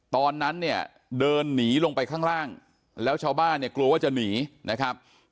ตอนนั้นเนี่ยเดินหนีลงไปข้างล่างแล้วชาวบ้านเนี่ยกลัวว่าจะหนีนะครับ